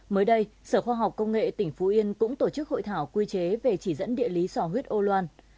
mới đây sở khoa học công nghệ tỉnh phú yên cũng tổ chức hội thảo quy chế về chỉ dẫn địa lý sò huyết âu loan